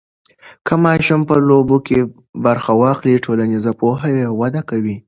که ماشوم په لوبو کې برخه واخلي، ټولنیز پوهه یې وده کوي.